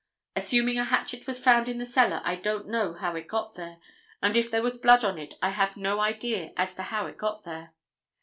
Assuming a hatchet was found in the cellar I don't know how it got there, and if there was blood on it I have no idea as to how it got there.